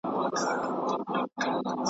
چي ماشوم وم را ته مور کیسه کوله .